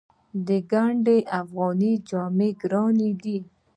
د ګنډ افغاني جامې ګرانې دي؟